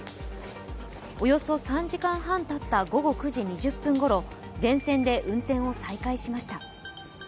およそ３時間半たった午後９時２０分ごろ全線で運転を再開しました。